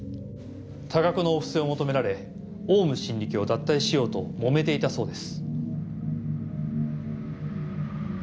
多額のお布施を求められオウム真理教を脱退しようともめていたそうです。